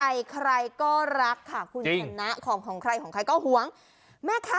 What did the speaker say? ใครใครก็รักค่ะคุณชนะของของใครของใครก็หวงแม่ค้า